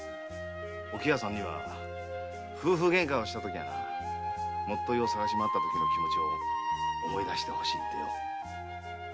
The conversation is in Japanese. お喜和さんには夫婦ゲンカをしたときは元結を捜したときの気持ちを思い出してほしいってよ。